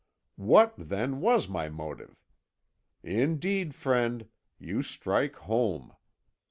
What, then, was my motive? Indeed, friend, you strike home.